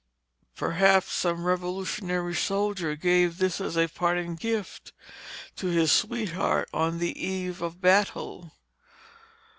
Perhaps some Revolutionary soldier gave this as a parting gift to his sweetheart on the eve of battle.